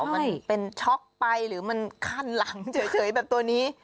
มันเป็นช็อกไปหรือมันขั้นหลังเฉยแบบตัวนี้